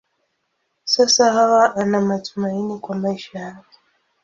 Sasa Hawa ana matumaini kwa maisha yake.